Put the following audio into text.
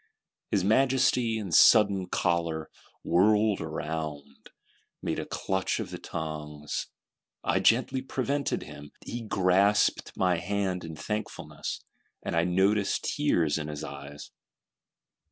His Majesty, in sudden choler, whirled round; made a clutch at the tongs: "I gently prevented him; he grasped my hand in thankfulness; and I noticed tears in his eyes."